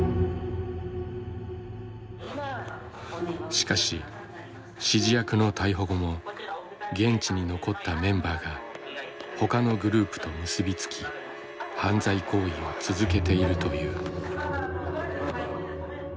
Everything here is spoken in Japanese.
しかし指示役の逮捕後も現地に残ったメンバーがほかのグループと結び付き犯罪行為を続けているという。